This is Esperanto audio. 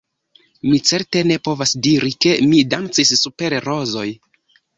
Mi certe ne povas diri, ke mi dancis super rozoj.